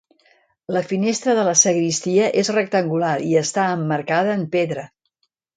La finestra de la sagristia és rectangular i està emmarcada en pedra.